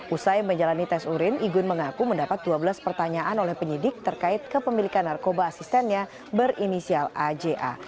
usai menjalani tes urin igun mengaku mendapat dua belas pertanyaan oleh penyidik terkait kepemilikan narkoba asistennya berinisial aja